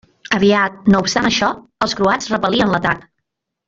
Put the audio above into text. Aviat, no obstant això, els croats repel·lien l'atac.